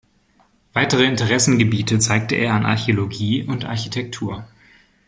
Weitere Interessengebiete zeigte er an Archäologie und Architektur.